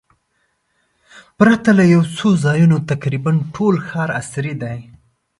پرته له یو څو ځایونو تقریباً ټول ښار عصري دی.